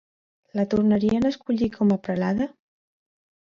La tornarien a escollir com a Prelada?